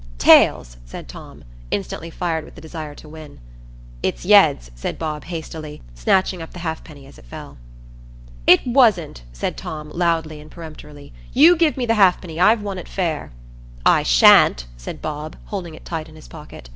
"Tails," said Tom, instantly fired with the desire to win. "It's yeads," said Bob, hastily, snatching up the halfpenny as it fell. "It wasn't," said Tom, loudly and peremptorily. "You give me the halfpenny; I've won it fair." "I sha'n't," said Bob, holding it tight in his pocket.